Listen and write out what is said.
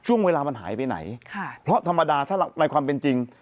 ช่วงเวลามันหายไปไหนค่ะเพราะธรรมดาถ้าในความเป็นจริง